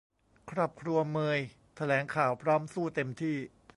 ครอบครัวเมยแถลงข่าวพร้อมสู้เต็มที่